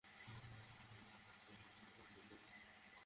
তাঁরা বাইরে গেলে তিনি তাঁদের সাথে যেতেন।